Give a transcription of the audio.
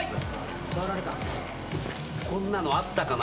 「こんなのあったかな？」